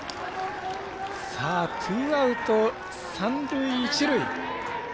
ツーアウト、三塁、一塁。